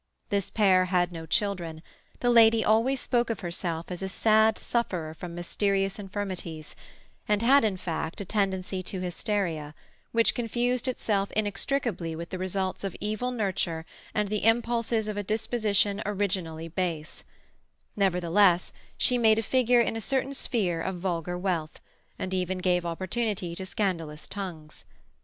This pair had no children. The lady always spoke of herself as a sad sufferer from mysterious infirmities, and had, in fact, a tendency to hysteria, which confused itself inextricably with the results of evil nurture and the impulses of a disposition originally base; nevertheless she made a figure in a certain sphere of vulgar wealth, and even gave opportunity to scandalous tongues.